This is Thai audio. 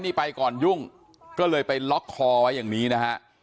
นี่ไปก่อนยุ่งก็เลยไปล็อกคอไว้อย่างนี้นะฮะ